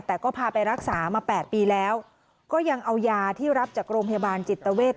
แต่ก็พาไปรักษามา๘ปีแล้วก็ยังเอายาที่รับจากโรงพยาบาลจิตเวท